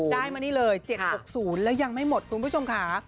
ได้มานี่เลย๗๖๐แล้วยังไม่หมดคุณผู้ชมค่ะ